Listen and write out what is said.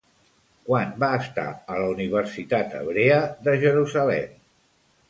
Quan va estar a la Universitat Hebrea de Jerusalem?